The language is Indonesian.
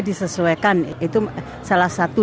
disesuaikan itu salah satu